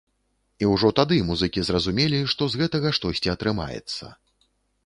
І ўжо тады музыкі зразумелі, што з гэтага штосьці атрымаецца.